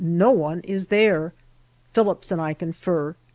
no one is there. Phillips and I confer.